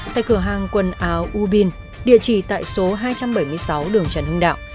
tại cửa hàng quần áo ubin địa chỉ tại số hai trăm bảy mươi sáu đường trần hưng đạo